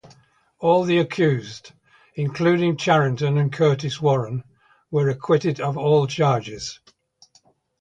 All the accused, including Charrington and Curtis Warren, were acquitted of all charges.